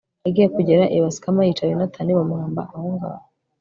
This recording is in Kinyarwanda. agiye kugera i basikama yica yonatani, bamuhamba aho ngaho